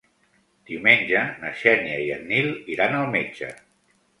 Diumenge na Xènia i en Nil iran al metge.